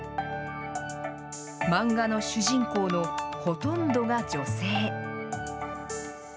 漫画の主人公のほとんどが女性。